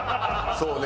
そうね。